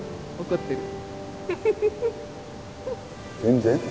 怒ってる。